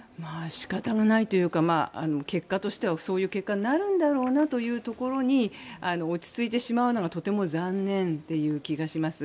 仕方がないというか結果としてはそういう結果になるんだろうなというところに落ち着いてしまうのがとても残念という気がします。